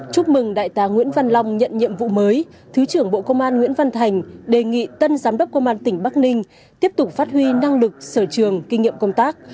chúc mừng đại tá nguyễn văn long nhận nhiệm vụ mới thứ trưởng bộ công an nguyễn văn thành đề nghị tân giám đốc công an tỉnh bắc ninh tiếp tục phát huy năng lực sở trường kinh nghiệm công tác